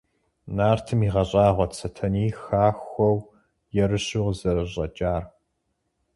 Нартым игъэщӀагъуэт Сэтэней хахуэу, ерыщу къызэрыщӀэкӀар.